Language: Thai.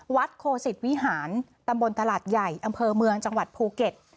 โคสิตวิหารตำบลตลาดใหญ่อำเภอเมืองจังหวัดภูเก็ต